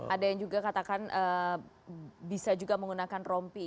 ada yang juga katakan bisa juga menggunakan rompi